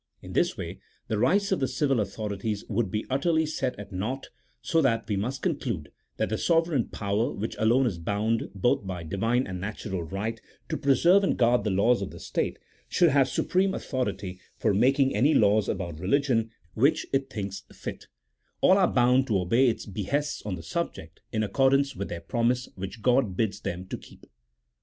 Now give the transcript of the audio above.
In this way, the rights of the civil authorities would be utterly set at nought, so that we must conclude that the sovereign power, which alone is bound both by Divine and natural right to preserve and guard the laws of the state, should have supreme authority for making any laws about religion which it thinks fit ; all are bound to obey its behests on the subject in accordance with their promise which God bids them to keep.